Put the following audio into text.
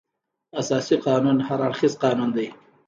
اساسي قانون هر اړخیز قانون دی.